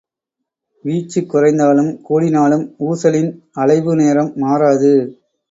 வீச்சு குறைந்தாலும் கூடினாலும் ஊசலின் அலைவு நேரம் மாறாது.